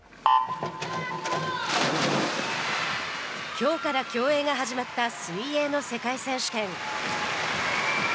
きょうから競泳が始まった水泳の世界選手権。